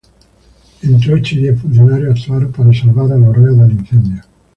Entre ocho y diez funcionarios actuaron para salvar a los reos del incendio.